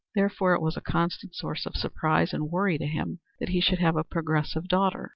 Therefore it was a constant source of surprise and worry to him that he should have a progressive daughter.